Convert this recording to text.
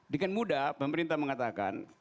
dengan mudah pemerintah mengatakan